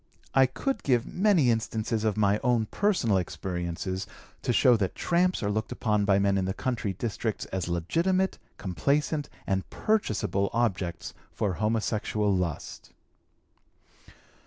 "I could give many instances of my own personal experiences to show that 'tramps' are looked upon by men in the country districts as legitimate, complacent, and purchaseable objects for homosexual lust."